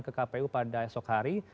ke kpu pada esok hari